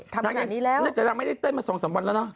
แต่นางไม่ได้เต้นมา๒๓วันแล้วนะ